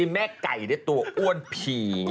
แม่ไก่ได้ตัวอ้วนผี